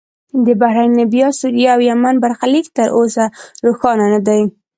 د بحرین، لیبیا، سوریې او یمن برخلیک تر اوسه روښانه نه دی.